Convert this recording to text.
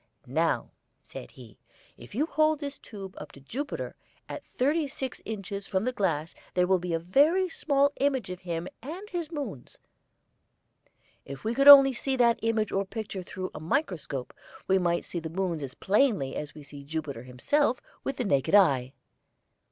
"Now," said he, "if you hold this tube up to Jupiter, at thirty six inches from the glass there will be a very small image of him and his moons. If we could only see that image or picture through a microscope, we might see the moons as plainly as we see Jupiter himself with the naked eye."